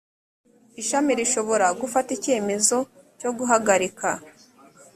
ishami rishobora gufata icyemezo cyo guhagarika